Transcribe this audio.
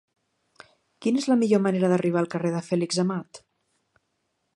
Quina és la millor manera d'arribar al carrer de Fèlix Amat?